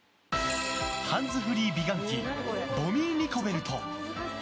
ハンズフリー美顔器ボミーニコベルト。